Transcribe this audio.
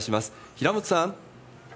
平本さん。